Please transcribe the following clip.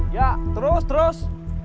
ya terus terus